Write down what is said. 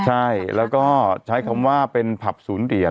ใช่แล้วก็ใช้คำว่าเป็นผับศูนย์เหรียญ